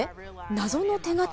謎の手形？